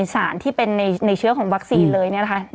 สารที่เป็นในเชื้อของวัคซีนเลย